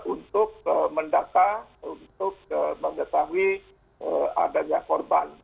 untuk mendata untuk mengetahui adanya korban